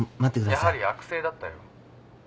☎やはり悪性だったよ。